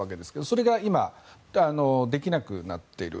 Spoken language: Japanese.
それが今、できなくなっている。